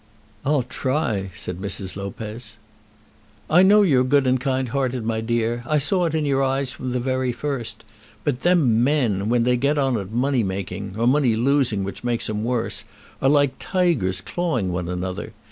"I'll try," said Mrs. Lopez. "I know you're good and kind hearted, my dear. I saw it in your eyes from the very first. But them men, when they get on at money making, or money losing, which makes 'em worse, are like tigers clawing one another.